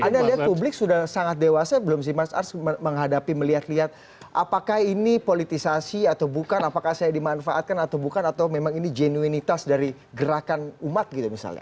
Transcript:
anda lihat publik sudah sangat dewasa belum sih mas ars menghadapi melihat lihat apakah ini politisasi atau bukan apakah saya dimanfaatkan atau bukan atau memang ini genuinitas dari gerakan umat gitu misalnya